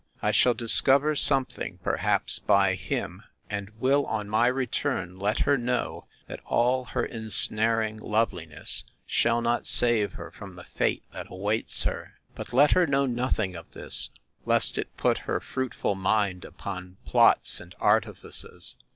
I shall discover something, perhaps, by him; and will, on my return, let her know, that all her ensnaring loveliness shall not save her from the fate that awaits her. But let her know nothing of this, lest it put her fruitful mind upon plots and artifices.